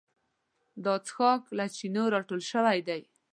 دا څښاک له چینو راټول شوی دی.